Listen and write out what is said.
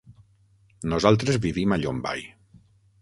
Nosaltres vivim a Llombai.